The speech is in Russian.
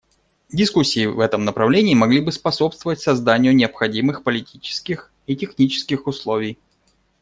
Дискуссии в этом направлении могли бы способствовать созданию необходимых политических и технических условий.